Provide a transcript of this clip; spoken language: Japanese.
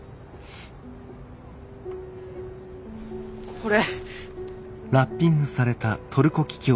これ。